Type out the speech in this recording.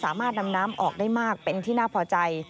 สามารถนำน้ำออกได้มากเป็นที่น่าพอใจ